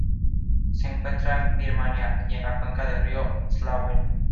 Se encuentra en Birmania y en la cuenca del río Salween.